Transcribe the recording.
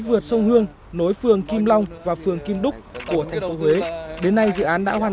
vượt sông hương nối phường kim long và phường kim đúc của thành phố huế đến nay dự án đã hoàn